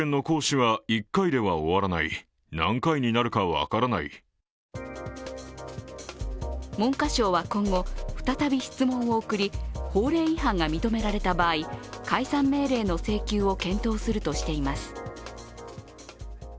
しかし文科省は今後、再び質問を送り、法令違反が認められた場合、解散命令の請求を検討するとしています。